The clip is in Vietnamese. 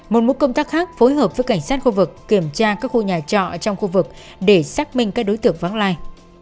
một múc công tác khác phối hợp với cảnh sát khu vực kiểm tra các khu nhà trọ trong khu vực để xác minh các đối tượng vãng lai